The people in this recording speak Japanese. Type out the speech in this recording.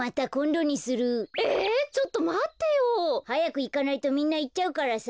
はやくいかないとみんないっちゃうからさ。